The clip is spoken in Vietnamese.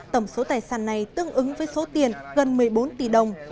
tổng số tài sản này tương ứng với số tiền gần một mươi bốn tỷ đồng